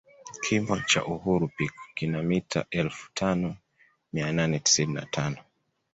Kimo cha uhuru peak kina mita elfu tano mia nane tisini na tano